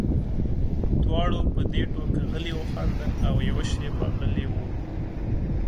دواړو په دې ټوکه غلي وخندل او یوه شېبه غلي وو